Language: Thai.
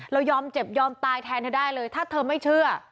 ยอมเจ็บยอมตายแทนเธอได้เลยถ้าเธอไม่เชื่อ